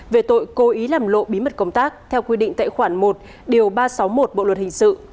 về tội cố ý làm lộ bí mật công tác theo quy định tệ khoản một điều ba trăm sáu mươi một bộ luật hình sự